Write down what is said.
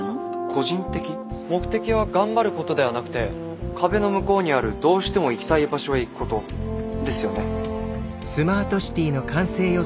目的は頑張ることではなくて壁の向こうにあるどうしても行きたい場所へ行くことですよね。